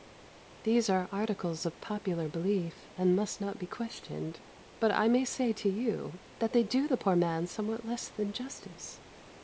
These are articles of popular belief, and must not be questioned; but I may say to you, that they do the poor man somewhat less than justice.